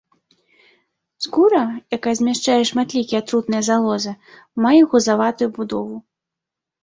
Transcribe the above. Скура, якая змяшчае шматлікія атрутныя залозы, мае гузаватую будову.